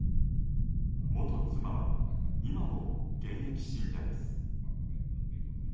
元妻は今も現役信者です。